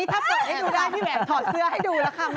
ถอดเสื้อให้ดูนะคะแม่สาวคนนี้